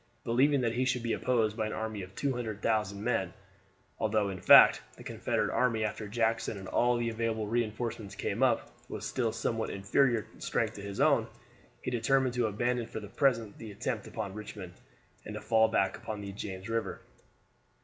Believing that he should be opposed by an army of 200,000 men, although, in fact, the Confederate army, after Jackson and all the available reinforcements came up, was still somewhat inferior in strength to his own, he determined to abandon for the present the attempt upon Richmond, and to fall back upon the James River.